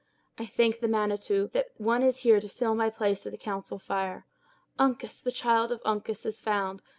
I thank the Manitou, that one is here to fill my place at the council fire. Uncas, the child of Uncas, is found!